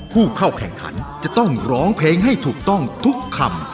ผู้เข้าแข่งขันจะต้องร้องเพลงให้ถูกต้องทุกคำ